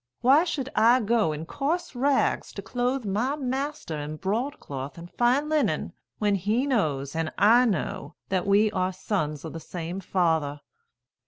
Why should I go in coarse rags, to clothe my master in broadcloth and fine linen, when he knows, and I know, that we are sons of the same father?